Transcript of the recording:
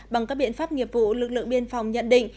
bằng các biện pháp nghiệp vụ lực lượng biên phòng nhận định